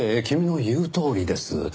君の言うとおりです。